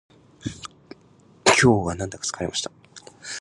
今日はなんだか疲れました